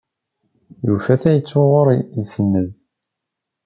Yufa tayet uɣur isenned.